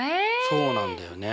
そうなんだよね。